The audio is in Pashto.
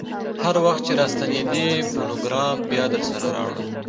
هر وخت چې راستنېدې فونوګراف بیا درسره راوړه.